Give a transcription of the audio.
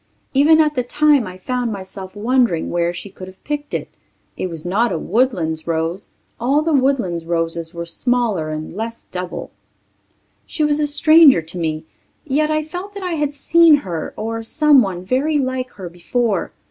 Even at the time I found myself wondering where she could have picked it. It was not a Woodlands rose. All the Woodlands roses were smaller and less double. She was a stranger to me, yet I felt that I had seen her or someone very like her before.